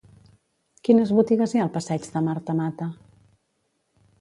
Quines botigues hi ha al passeig de Marta Mata?